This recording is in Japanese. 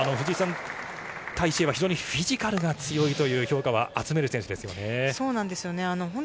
タイ・シエイは非常にフィジカルが強いという評価を集める選手ですね。